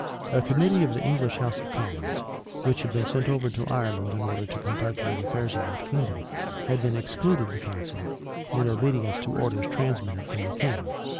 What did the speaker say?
A committee of the English house of commons, which had been sent over to Ireland in order to conduct the affairs of that kingdom, had been excluded the council, in obedience to orders transmitted from the king.